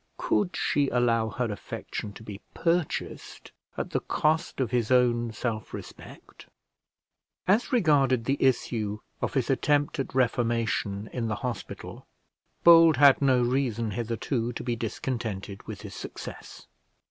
Could she allow her affection to be purchased at the cost of his own self respect? As regarded the issue of his attempt at reformation in the hospital, Bold had no reason hitherto to be discontented with his success.